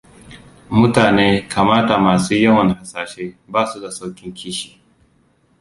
Mutane kamata masu yawan hasashe, basu da saukin kishi.